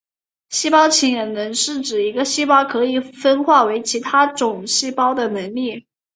细胞潜能是指一个细胞可以分化为其他种细胞的能力。